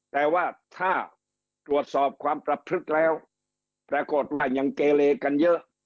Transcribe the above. แต่ว่าถ้าตรวจสอบความประพฤกษ์แล้วปรากฏว่ายังเกเลกันเยอะ